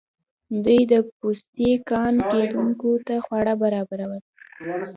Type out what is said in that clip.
دوی د پوتسي کان کیندونکو ته خواړه برابرول.